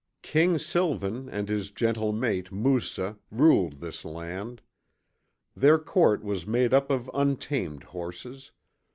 King Sylvan and his gentle mate, Moussa, ruled this land. Their court was made up of untamed horses.